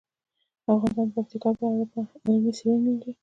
افغانستان د پکتیکا په اړه علمي څېړنې لري.